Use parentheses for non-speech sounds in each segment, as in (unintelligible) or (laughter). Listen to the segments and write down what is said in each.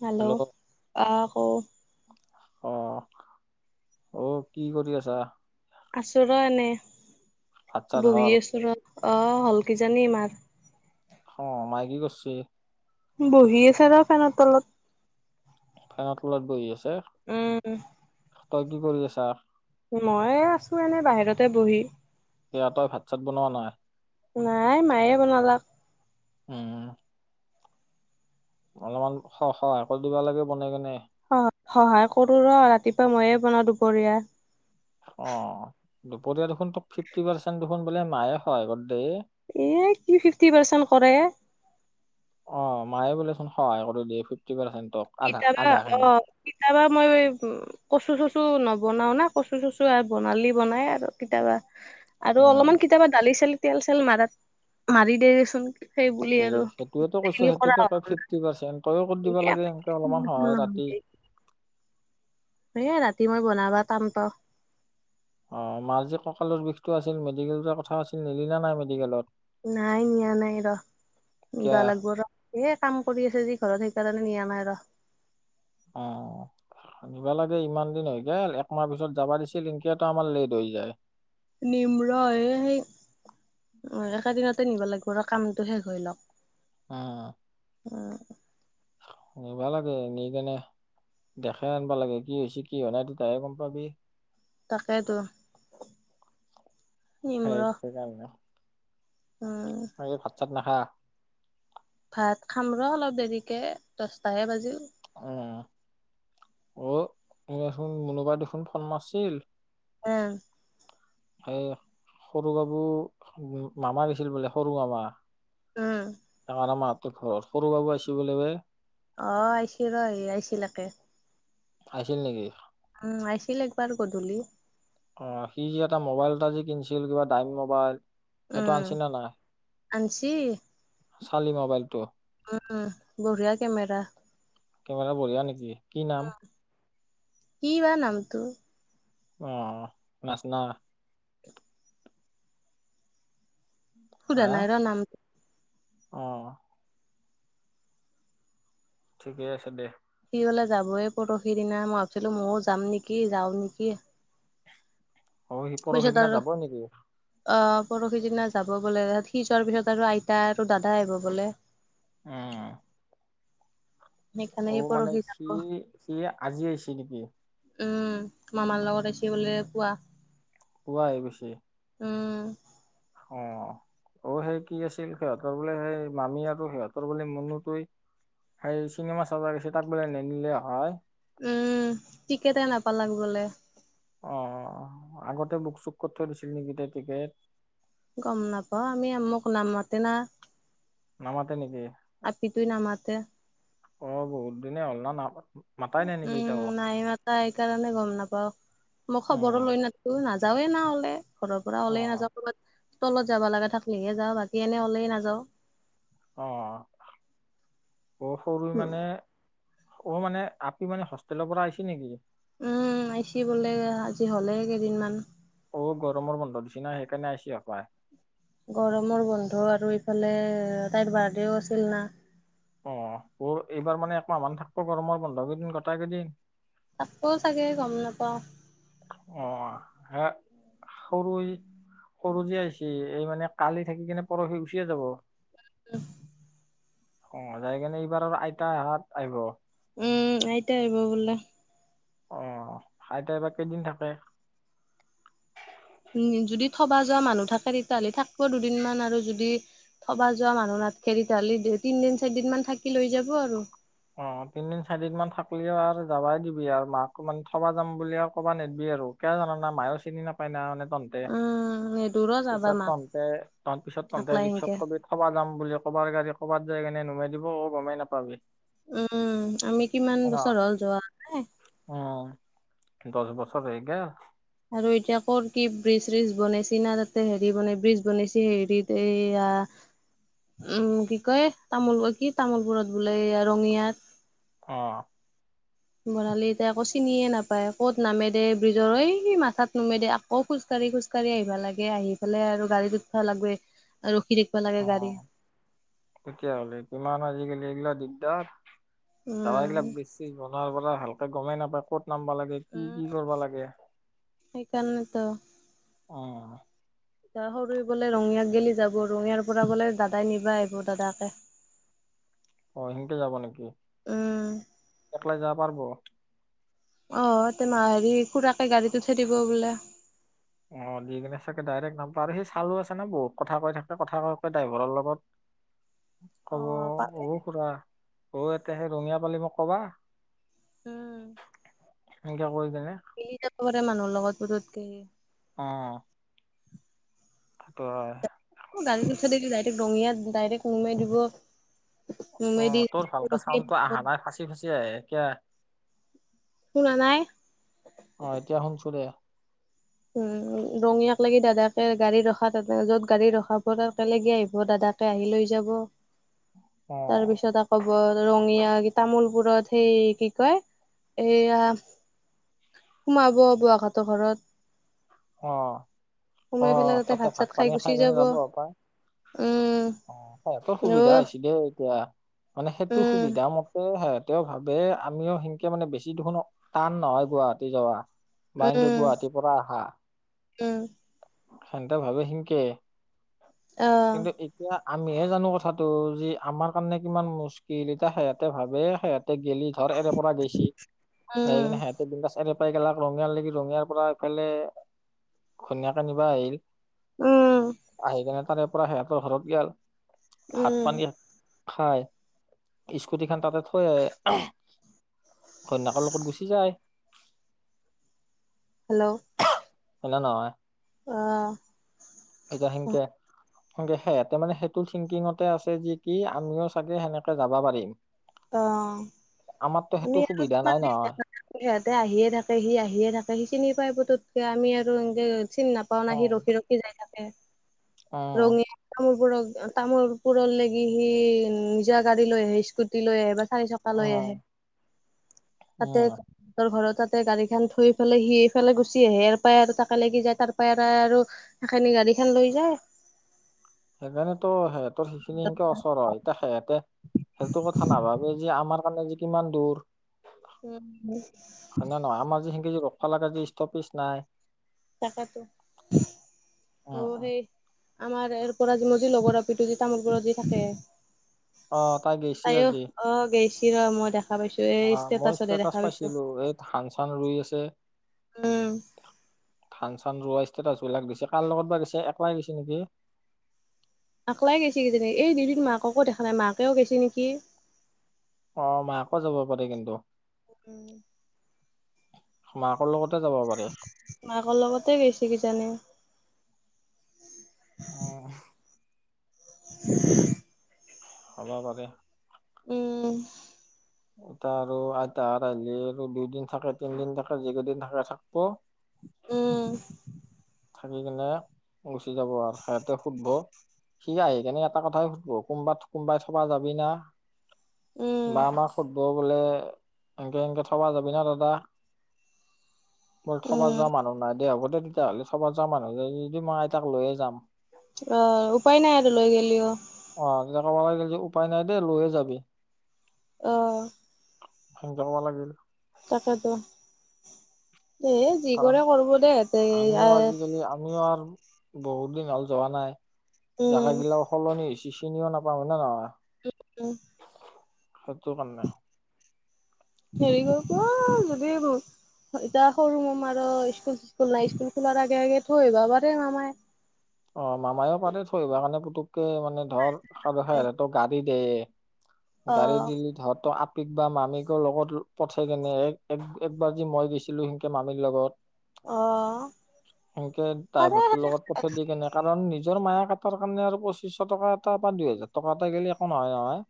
Hello আহ ক আহ অ কি কৰি আছা আচো ৰ এনে ভাত চাত বহী হল আচুৰ অঁ হ'ল কিজানী ইমাৰ অ মাই কি কৰিছে বহি আছে ৰ ফেনৰ তলত ফানৰ তলত বহি আছে উম তই কি কৰি আছা মই আছো এনে বাহিৰতে বহি সেয়া তই ভাত চাত বনোৱা নাই নাই মায়ে বনালাক উম অলপমান সহায় কৰি দিবা লাগে বনাই কেনে সহায় কৰো ৰ ৰাতিপুৱা ময়ে বনাওঁ দুপৰীয়া অ দুপৰীয়া দেখোন তো ফিফটি পাৰ্চেণ্ট দেখোন বোলে মায়ে হয় গ দেই এ কি ফিফটি পাৰ্চেণ্ট কৰে অ মায়ে বোলেচোন সহায় কৰি দিয়ে ফিফটি পাৰ্চেণ্ট কিতাবা অ, কেতিয়াবা মই উ কচু চচু নবনাও না কচু চচু আৰু বনালি বনাই আৰু কেতিয়াবা আৰু অলপমান উম কেতিয়াবা দালি চালি তেল চেল মাৰাত মাৰি দে দেচোন সেইব তে আৰু সেইটোৱেতো কৈছো গোটেইখিনি কৰা সেইটোকে হয়। কয় ফিফটি পাৰ্চেন্ট তইয়ো কৰি দিবা লাগে সেনকে অলপমান সহায় উম ৰাতি নেকি? এ ৰাতি মই বনাবা টান পাও অ মাৰ্জি কঁকালৰ বিষটো আছিল মেডিকেল কথা আছিল নিলি না নাই মেডিকেলত নাই নিয়া নাই ৰ কিয়া নিবা লাগিব ৰ এ কাম কৰি আছে যি ঘৰত নিয়মাইত অ নিবা লাগে ইমান দিন হৈ গ একমাহ পিছত যাবা দিছিল এনকিয়াতো আমাৰ লেট হৈ যায়। নিম্ৰ এই অ একে দিনতে নিব লাগিব আৰু কামটো শেষ হৈ লওক অ অঁ নি ভাল আাগ নি কেনে? দেখে আনবা লাগে কি হৈছে কি হোৱা নাই তই তাহে গম পাবি তাকেটো সেই একছে গাল ন অ ম ভাত চাত নাখায় ভাত খাম ৰ অলপ দেৰিকে দচটাহে বাজি অ অ দেন মোনোবাই দেখোন ফল মাছিল উম এ সৰু গাবু মামা দিছিল বোলে সৰুটো মামা উম ডাঙৰ মামা তোৰ ঘৰত সৰু বাবু আছিল লব অ আহিছিল ৰ আহিছিলাকে আহিছিল নেকি? উম আহছিল একবাৰ গধূলি অ সি যে এটা মোবাইল এটা যে কিনছিল কিবা দামী মোবাইল সেইটো আনছি উম নে নাই আজি চালি মোবাইলটো উম বঢ়াই কেমেৰা কেমেৰা বঢ়িয়া নেকি কি নাম কিয়ে নামটো আহ নচনা সুধা নাই ৰ নামটো আহ ঠিকে আছে দে লে যাবয়ে পৰহিদিনা মই ভাবিছিলো ময়ও যাম নেকি যাও নেকি? অ সি পিছত পৰহিদিনা আৰু যাব নেকি আহ- পৰহি দিনা যাব বোলে ত সি যোৱাৰ পিছত আৰু আইতা আৰু দাদাই আহিব বোলে উম সেইকাৰণে সি সৰু মানে পৰহি যাব সি সি আজি আহিছে নেকি? উমো মামাৰ লগত আছে বোলে কোৱা কোৱাই পিছে উম। অ অ সেই কি আছিল সিহঁতৰ বোলে সেই মামী আৰু সিহঁতৰ বো মনোটোৱেই সেই চিনেমা চাবেছে তাকব ন নিলে হয়? উম কেতে নাপালাক গলে অ আগতে বুক চুকত থৈ দিছিল নেকি এতিয়া টিকেট, গম নাপাওঁ আমি মোক নামাতে না নামাতে নেকি? আপিতুই নামাতে। অ বহুত দিনে হ'ল ন ন উম নাই মতা এই কাৰণে গম নাপাও মই খবৰো উম লৈ নাথাকো নাজাও। যাওে না 'লে ঘৰ পৰা অ ওলে নাযাওঁ ক'ৰবাত তলত যাব লগা থাকিলেহে যাওঁ বাকী এনে হলেই নাযাওঁ অ অ সৰু মানে। অ মানে আপি মানে হোষ্টেলৰ পৰা আহিছে নেকি? উম আহছ বোলে আজি হ'লেই কেইদিনমান অ গৰমৰ বন্ধ দিছি ন সেইকাৰণে আহিছে হপাই গৰমৰ বন্ধ আৰু ইফালে তাইৰ বাৰ্থডেও আছিল না।। অ ব এইবাৰ মানে একমাহমান থাকিব গৰমৰ বন্ধ কেইদিন গোট কেইদিন- থাকব চাগে গম নাপাওঁ। আহ হে সৰু সৰু যে আহিছে এই মানে কালি থাকি কেনে পৰহি গুচিয়ে যাব। অ, অ যাই কেনে এইবাৰ আৰু আইতা অহাত আহিব। উম আইতা আহিব বোলো। অ আইতাই বা কেইদিন থাকে। উ যদি থবা যোৱা মানুহ থাকে তেতিয়াহ'লে থাকিব দুদিনমান আৰু যদি- থবা যোৱা মানুহ নাথাকে তেতিয়াহলে তিনদিন চাৰি দিন মান থাকি লৈ যাব আৰু- অ তিনদিন চাৰিদিন মান থাকলেও আৰু যাবাই দিবি আৰু মাকো মানে থবা যাম বুলি আৰু ক'বা নিদিবি। আৰু কিয় জানানা মায়েও চিনি নাপায় না মানে তন্তে, উম নেদুৰো যাবা পিছত মাক তন্তে তন্তে পিছত তহঁতে আকলাই সেনকে ৰিক্সত কবি কবা যাম বুলি কবাৰ গাড়ী ক'বাত যাই কানে নমাই দিব অ গমেই নাপাবি। উম আমি কিমান অ বছৰ হ'ল যোৱাই‌ নাই, দহ‌ বছৰ হৈ গ'ল। আৰু এতিয়া কৰ কি ব্ৰিজ চিজ বনাইছে না তাতে হেৰি বনাই ব্ৰিজ বনাইছে হেৰিত এইয়া উম কি কয় তামোল কি তামোলপুৰত বোলে ৰঙিয়াত অহ বৰালি এতিয়া আকৌ চিনিয়ে নাপায় কত নামে দে ব্ৰিজৰ এই মাথাত নুমে দে আকৌ খোজ কাঢ়ে খালি খোজকাঢ়ি আহিবা লাগে আহি পালে আৰু গাড়ীত উঠব লাগে আৰু অ তেতিয়াহলে কিমান আজি কালি এইগিলা দিগদাৰ টাৱাৰ উম গিলাক বিজ চিছ বনোৱাৰ পৰা ভালকে গমেই নাপায় ক'ত নামবা লাগে কি কি কৰিবা লাগে সেইকাৰণেতো উ এ সৰু বোলে ৰঙিয়াক গেলি যাব ৰঙিয়াৰ পৰা বোলে দাদাই নিব আহিব দাদাকে অ সেনেকে যাব নেকি? উম অকেলাই যাব পাৰব অ তেম হেৰি খুৰাকে গাড়ীতটো থে দিব বোলে অ দি কিনে চাগে ডাইৰেক্ট নাপা আৰু সেই চালো আছে ন বহুত কথা কৈ থাকে কথা কৈ কৈ ড্ৰাইভাৰৰ লগত অ কব পাৰে অহ খুৰা অ এতিয়া সেই ৰঙিয়া পালে মোক কবা উম এনকে কৈ কিনে, মিলি যাব পাৰে মানুহৰ লগত পতকেনী। অ সেইটো অ গাড়ীত উঠাত কি যায় ৰঙিয়াত ডাইৰেক্ট নোমাই দিব। অ নোমাই দি তোৰ ভালকে ৰখিয়ে চাউণ্ডটো থাকিব অহা নাই ফাচি ফুচি আহে কিয়া। শুনা নাই অ এতিয়া শুনছো দে উম ৰঙিয়াক লাগি দাদাকে গাড়ী ৰখা যত গাড়ী ৰখাব তালেকে আহিব দাদা। তাতে আহি লৈ যাব। (inaudible) তাৰপিছত আকৌ- ৰঙিয়া তামোলপুৰত সেই কি কয় এইয়া সোমাব বোৱাহঁতৰ ঘৰত- অ অ তাতে ভাত পানী খাই কেনে যাব অক উম অ ততৰ সুবিধা অ' হৈছি দে এতিয়া। মানে সেইটো উম সুবিধা মতে স এতিয়াও ভাবে আমিও সেনকে মানে বেছি দেখোন টান নহয় গুৱাহাটী যোৱা বাইেংকে উম গুৱাহাটীৰ পৰা আহা, - উম সেন্তে ভাবে সেনকে অ' কিন্তু এতিয়া আমিহে জানো কথাটো যি আমাৰ কাৰণে কিমান মুস্কিল এতিয়া সিহঁতে ভাবে সিহঁত তে গেলি ধৰ এৰে পৰা গৈছি উম কিনে সিহঁতে বিগছ এৰে ইগিলাক ৰঙিয়াৰ লাগি ৰঙিয়াৰ পৰা এইফালে ঘনিয়াক নিবা আহিল উম আহি কেনে তাৰে পৰা সিহঁতৰ ঘৰত গেল ভাত উম পানী খাই স্কুটি খান তাতে থৈ আহে। ঘৈনাকৰ লগত গুচি যায়। হেল্ল' এনে নহয় অ' এতিয়া সেনকে- সেয়াতে মানে সেইটো থিংকিঙতে আছে যে কি আমিও চাগে সেনেকে যাবা পাৰিম অ আমাৰতো সেইটো আমি সুবিধা নাই (unintelligible) নহয় ইয়াতে আহিয়ে থাকেহি আহিয়ে থাকেহি চিনি পাই বট আমি আৰু এনেকে চিনি নাপাও না সি উম ৰখি ৰখি যায়। তাতে উম ৰঙি (unintelligible) বোৰক তামোল পুৰৰ লাগি সি নিজা গাড়ী লৈ আহে স্কুটি লৈ আহে বা চাই চকা লৈ আহে তাতে উম সহঁতৰ ঘৰত- তাতে গাড়ী খান থুই পেলাই সি এইফালে গুচি আহে আৰু তাই আৰু তাকা লাগি যায় তাৰ পৰা আৰু সেখিনি গাড়ী খান লৈ যায়। সেইকাৰণেতো সিহঁতৰ সেইখিনি হেনকে ওচৰ হয় এতা সিহেতে- সেইটো কথা নাভাবে যে আমাৰ কাৰণে যে কিমান দূৰ- উম হয় নে নহয়। আমাৰ যে হেনকে যে সলাবাজে ষ্টপেজ নাই তাকেতো অ অ অ সেই আমাৰ এ পৰাজি মজি লগৰ- হেটো যে তামোলপুৰত যে থাকে অ তাই গৈছি তাইও আজি অ গেইছি ৰ মই দেখ- অ মই ষ্টেটাচ পাইছিলো এই ধান চান ৰুই আছে। উম ধান চান ৰোৱা ষ্টেটাছবিলাক দিছে কাৰ লগত বা গিছে একলাই গেছে নিকি- একলাই গৈছে কিজিনি এই দিদি মাককো দেখা নাই মাকেও গেছে নিকি। অ মাকো যাব পাৰে কিন্তু- উম মাকৰ লগত মাকৰ লগতে গৈছে কিজানি অহ (unintelligible) হ'ব পাৰে উম এতা আৰু আইতা আৰ আইলে আৰু দুইদিন থাকে তিনদিন থাকে যিকেইদিন থাকে থাকব। উম থাকি কিনে গুচি যাব আৰ সিহঁতে সুধব সি আহি কেনে এটা কথাই সুধবো কোনোবাত কোনোবাই থবা যাবি না। উম মামাক সুধব বোলে এনকে এনকে থবা যাবি না দাদা মোৰ থবা উম যোৱা মানুহ নাই দে হ'ব দে তেতিয়াহ'লে থবা যোৱা মানুহ যদি নাই মই আইতাক লৈয়ে যাম। অহ উপায় নাই আৰু লৈ গেলেও আমাৰ হাততে উপায় নাই দেই লৈয়ে যাবি। অ হুম যাবা লাগব ৰ। তাকেতো এই যি কাৰণ কৰে কৰিব দেই ইহেতে আমিও আৰ- আজিকালি আমিও আৰু বহুত দিন হ'ল যোৱা নাই উম জাগাগিলা সলনি হৈছি চিনিও নাপাওঁ হয় নে নহয়। উৎ উম সেইটোৰ কাৰণে হেৰি কৰ কোৱা যদি বৌ এতিয়া সৰু মামাৰো স্কুল চিস্কুল নাই স্কুল খোলাৰ আগে আগে থৈ আহিবা পাৰে মামাই অ মামায়েও পাৰে থৈ আহিব কাৰণে পুটুককে মানে ধৰ খৰ-ধৰ ত গাড়ী দে অ গাড়ী দিলেত হয়তো আট পিক বা মামীকো লগত ল পঠাই কেনে এক এক একবাৰ যে মই গেছিলোঁ সেনেকে মামীৰ লগত অ সেনেকে পাৰে ড্ৰাইভাৰটোৰ লগত সেনেকে পঠ নিদিয়ে কাৰণ নিজৰ মায়েক হতৰ কাৰণে আৰু পঁচিশ টকা এটা বা দুইহেজাৰ টকা এটা গলে একো নহয় নহয়।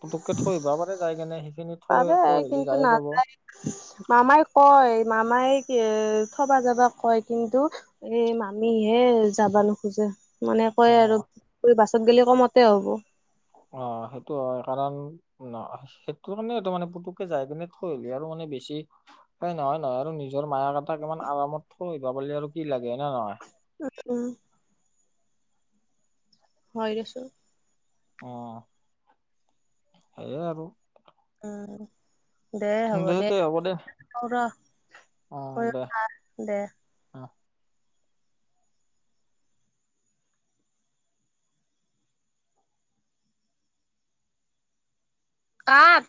পুটুককে থৈ আহিবা পাৰে যাই কিনে সি পাৰে কিন্তু নাযায় উস মামাই কয় মামাই এ থবা যাবা কয় কিন্তু অহ এই মামিহে যাবা নোখোজে। মানে অ কয় আৰু বাছত গ'লে কমতে হ'ব। অ, সেইটো হয় কাৰণ ন সেইটো কাৰণে মানে পুটুককে যাই কিনে থৈ আহগে আৰু মানে বেছি হয় নহয় হয় নহয় আৰু নিজৰ মামাই ঘৰত অকমান আৰামত থৈ আহিবা পালি আৰু কি লাগে হয়ে নে নহয়? উঁ, উ হয় দিয়াচোন অ সেয়ে আৰু। উ উ, দে হ'ব দে আৰু ৰ অঁ দে দে অ কাঠ